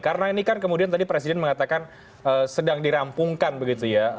karena ini kan kemudian tadi presiden mengatakan sedang dirampungkan begitu ya